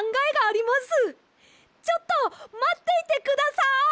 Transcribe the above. ちょっとまっていてください。